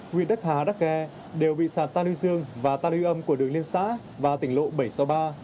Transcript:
huyện đắc hà đắc khe đều bị sạt tan hư dương và tan hư âm của đường liên xã và tỉnh lộ bảy trăm sáu mươi ba